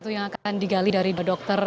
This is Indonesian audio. yang akan digali dari dokter